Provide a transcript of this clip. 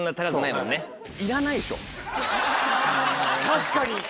・確かに！